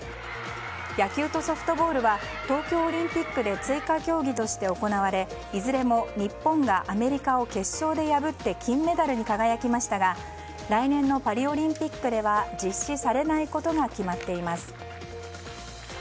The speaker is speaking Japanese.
野球とソフトボールは東京オリンピックで追加競技として行われいずれも日本がアメリカを決勝で破って金メダルに輝きましたが来年のパリオリンピックでは実施されないことが決まっています。